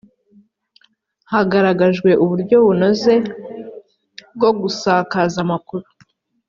hagaragajwwe uburyo bunoze bwo gusakaza amakuru